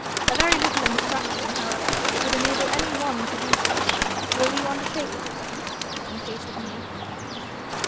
A very little instruction, however, would enable any one to do so: will you undertake it, cousin, in case of need?'